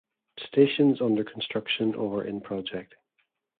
Stations under construction or in project